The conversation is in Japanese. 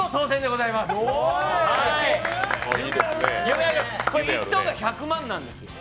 夢あります、１等が１００万なんですよ